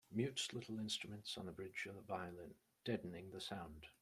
Mutes little instruments on the bridge of the violin, deadening the sound.